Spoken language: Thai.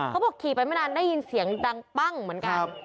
เขาบอกขี่ไปไม่นานได้ยินเสียงดังปั้งเหมือนกัน